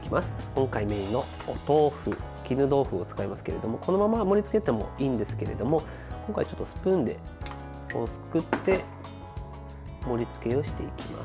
今回メインのお豆腐絹豆腐を使いますけれどもこのまま盛りつけてもいいんですけれども今回、スプーンですくって盛りつけをしていきます。